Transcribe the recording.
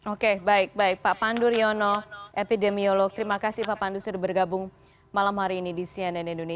oke baik baik pak pandu riono epidemiolog terima kasih pak pandu sudah bergabung malam hari ini di cnn indonesia